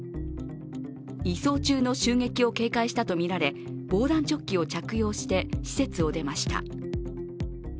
移送中の襲撃を警戒したとみられ防弾チョッキを着用して施設を出ました。